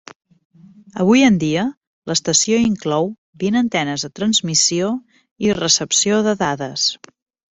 Avui en dia, l'estació inclou vint antenes de transmissió i recepció de dades.